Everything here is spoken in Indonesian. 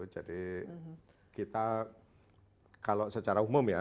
jadi kita kalau secara umum ya